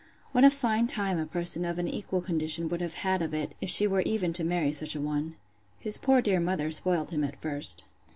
What a fine time a person of an equal condition would have of it, if she were even to marry such a one!—His poor dear mother spoiled him at first.